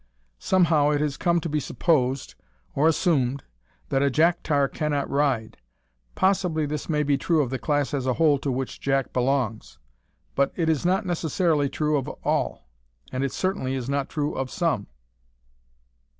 Somehow it has come to be supposed or assumed that a jack tar cannot ride. Possibly this may be true of the class as a whole to which Jack belongs, but it is not necessarily true of all, and it certainly is not true of some.